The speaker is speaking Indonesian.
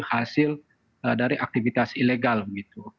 hasil dari aktivitas ilegal gitu